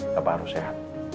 papa harus sehat